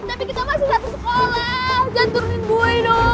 tapi kita masih satu sekolah